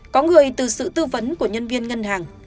có người từ sự tư vấn của nhân viên